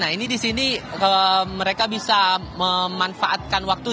nah ini disini mereka bisa memanfaatkan waktu